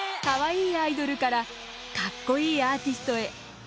カワイイアイドルからかっこいいアーティストへ。